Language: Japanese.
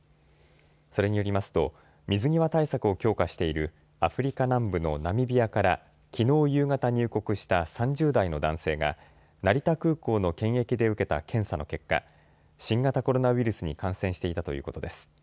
それによりますと水際対策を強化しているアフリカ南部のナミビアからきのう夕方、入国した３０代の男性が成田空港の検疫で受けた検査の結果、新型コロナウイルスに感染していたということです。